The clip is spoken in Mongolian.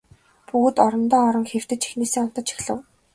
Бүгд орондоо орон хэвтэж эхнээсээ унтаж эхлэв.